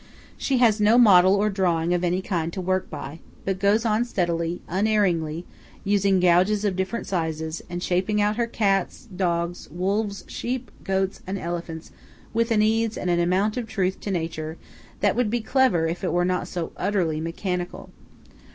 She has no model or drawing of any kind to work by; but goes on steadily, unerringly, using gouges of different sizes, and shaping out her cats, dogs, wolves, sheep, goats and elephants with an ease and an amount of truth to nature that would be clever if it were not so utterly mechanical.